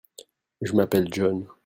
Je m'appelle John.